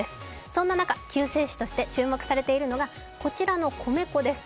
そんな中、救世主として注目されているのが米粉です。